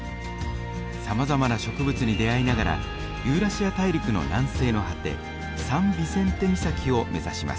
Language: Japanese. さまざまな植物に出会いながらユーラシア大陸の南西の果てサン・ビセンテ岬を目指します。